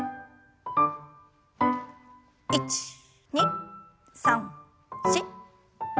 １２３４。